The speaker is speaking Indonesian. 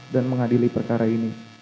dan mengadili perkara ini